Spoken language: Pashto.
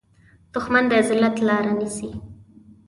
دښمن د ذلت لاره نیسي